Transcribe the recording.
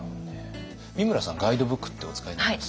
美村さんガイドブックってお使いになります？